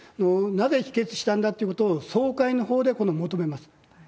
今回、なぜ否決したんだってことを、総会のほうで求めます。